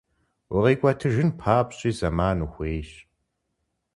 УкъикӀуэтыжын папщӀи зэман ухуейщ.